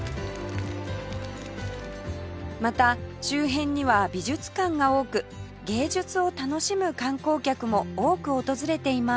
また周辺には美術館が多く芸術を楽しむ観光客も多く訪れています